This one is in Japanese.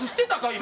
今。